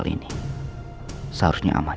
gini ya operationides